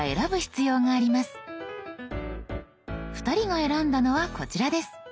２人が選んだのはこちらです。